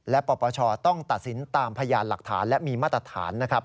และปปชต้องตัดสินตามพยานหลักฐานและมีมาตรฐานนะครับ